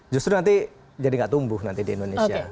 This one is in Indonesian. justru nanti jadi nggak tumbuh nanti di indonesia